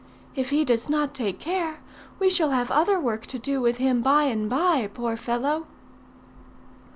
If he does not take care, we shall have other work to do with him by and by, poor fellow!"